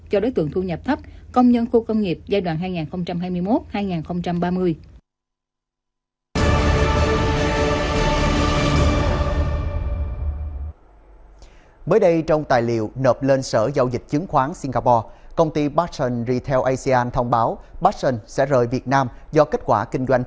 cho đối tượng thu nhập thấp công nhân khu công nghiệp giai đoạn hai nghìn hai mươi một hai nghìn ba mươi